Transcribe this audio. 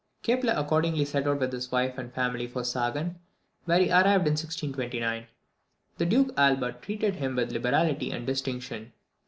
Kepler accordingly set out with his wife and family for Sagan, where he arrived in 1629. The Duke Albert treated him with liberality and distinction.